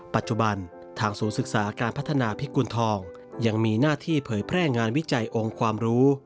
ปัจจุบันทางศูนย์ศึกษาการพัฒนาพิกุณฑองยังมีหน้าที่เผยแพร่งานวิจัยองค์ความรู้